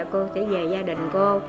cô sẽ về gia đình cô